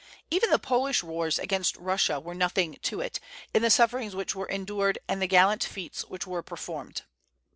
Even the Polish wars against Russia were nothing to it, in the sufferings which were endured and the gallant feats which were performed.